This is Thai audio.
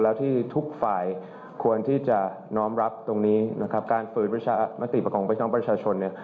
แล้วที่ทุกฝ่ายควรที่จะน้องรับตรงนี้การฟื้นประชาติประกองพี่น้องประชาชน